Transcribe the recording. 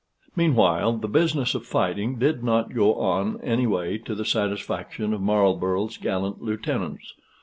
Meanwhile the business of fighting did not go on any way to the satisfaction of Marlborough's gallant lieutenants.